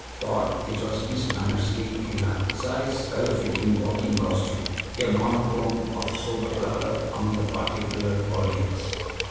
For it was Miss Mannersley, in her precise, well fitting walking costume a monotone of sober color among the parti colored audience.